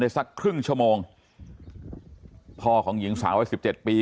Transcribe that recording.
ได้สักครึ่งชั่วโมงท่อของหญิงสาว๑๗ปี